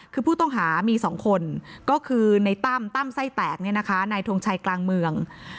คือผู้ต้องหามีสองคนก็คือในตั้มตั้มไส้แตกเนี่ยนะคะในถวงชายกลางเมือง